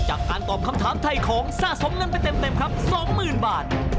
จากการตอบคำถามไทยของสะสมเงินไปเต็มครับ๒๐๐๐บาท